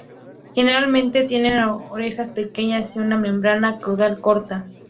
Generalmente tienen orejas pequeñas y una membrana caudal corta.